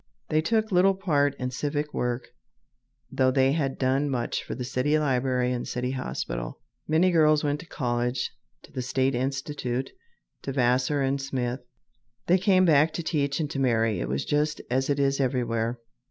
They took little part in civic work, though they had done much for the city library and city hospital. Many girls went to college, to the State Institute, to Vassar and Smith. They came back to teach and to marry. It was just as it is everywhere."